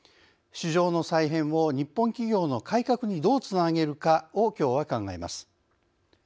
市場の再編を日本企業の改革にどうつなげるかをきょうは考えます。